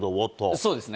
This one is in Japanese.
そうですね。